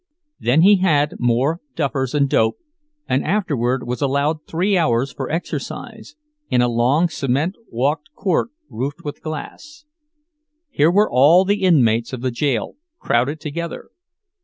Then he had more "duffers and dope," and afterward was allowed three hours for exercise, in a long, cement walked court roofed with glass. Here were all the inmates of the jail crowded together.